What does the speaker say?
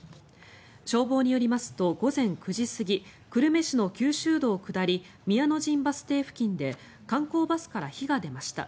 消防によりますと、午前９時過ぎ久留米市の九州道下り宮の陣バス停付近で観光バスから火が出ました。